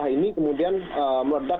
ini kemudian meredak